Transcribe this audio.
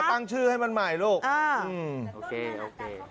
ตั้งชื่อให้มันใหม่ลูกโอเคโอเค